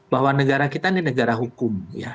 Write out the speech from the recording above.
bahwa negara kita ini negara hukum